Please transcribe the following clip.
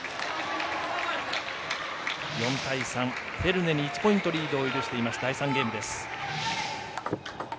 ４対３、フェルネに１ポイントリードを許している第３ゲームです。